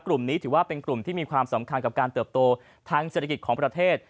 กลุ่มนี้ถือว่าเป็นกลุ่มที่มีความสำคัญกับการเติบโตทางเศรษฐกิจของประเทศ